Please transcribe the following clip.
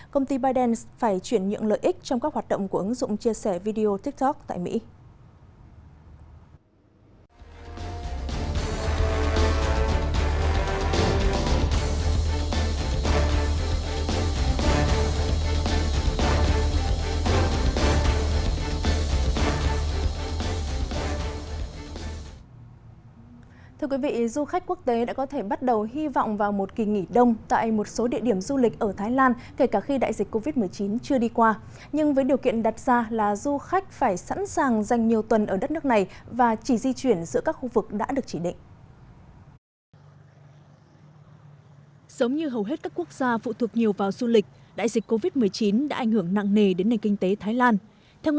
công ty biden phải chuyển nhượng lợi ích trong các hoạt động của ứng dụng chia sẻ video tiktok tại mỹ